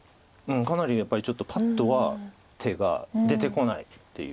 かなりやっぱりちょっとパッとは手が出てこないっていう気がします。